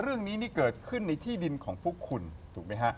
เรื่องนี้นี่เกิดขึ้นในที่ดินของพวกคุณถูกไหมฮะ